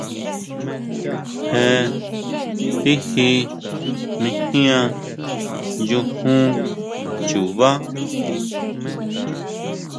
Je tiji mijian, nyujún chubá.